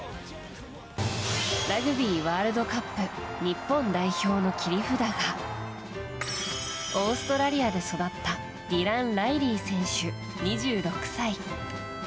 ラグビーワールドカップ日本代表の切り札がオーストラリアで育ったディラン・ライリー選手、２６歳。